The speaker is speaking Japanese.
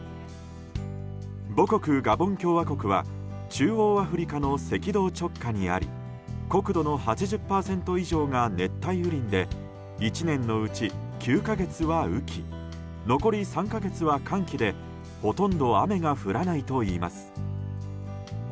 母国ガボン共和国は中央アフリカの赤道直下にあり国土の８０％以上が熱帯雨林で１年のうち９か月は雨期残り３か月は乾期でほとんど雨が降らないといいます。